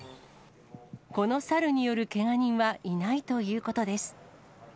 この猿によるけが人はいないということです。